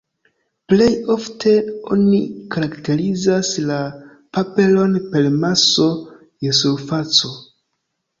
Plej ofte oni karakterizas la paperon per maso je surfaco.